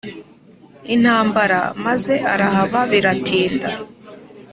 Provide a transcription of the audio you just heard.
intambara), maze arahaba biratinda,